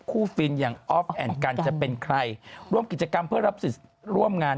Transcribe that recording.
ฟินอย่างออฟแอนด์กันจะเป็นใครร่วมกิจกรรมเพื่อรับสิทธิ์ร่วมงาน